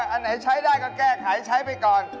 อันไหนใช้ได้ก็แก้ไขใช้ไปก่อน